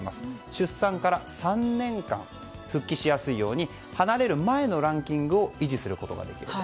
出産から３年間復帰しやすいように離れる前のランキングを維持することができると。